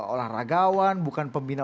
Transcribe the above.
olahragawan bukan pembina